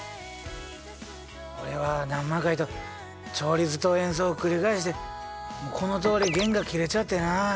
俺は何万回と調律と演奏を繰り返してこのとおり弦が切れちゃってな。